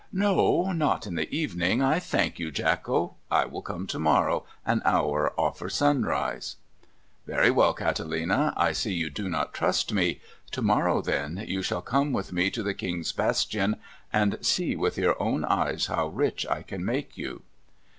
"No, not in the evening, I thank you, Jacko. I will come to morrow, an hour ofter sunrise." "Very well, Catalina; I see you do not trust me. To morrow, then, you shall come with me to the King's Bastion, and see with your own eyes how rich I can make you."